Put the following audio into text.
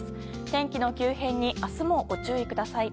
天気の急変に明日もご注意ください。